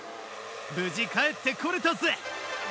無事帰ってこれたぜ。